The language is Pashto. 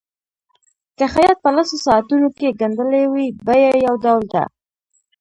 که خیاط په لسو ساعتونو کې ګنډلي وي بیه یو ډول ده.